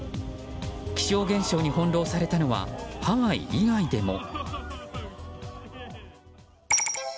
気象現象に翻弄されたのはハワイ以外でも。